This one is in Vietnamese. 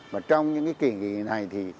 mà trong những cái kỳ này thì